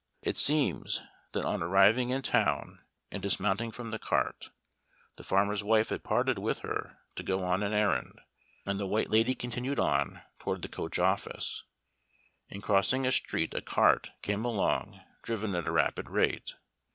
It seems that on arriving in town and dismounting from the cart, the farmer's wife had parted with her to go on an errand, and the White Lady continued on toward the coach office. In crossing a street a cart came along, driven at a rapid rate.